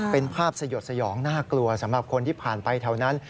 เป็นภาพสยดสยองน่ากลัวสำหรับคนที่ผ่านไปแถวนั้น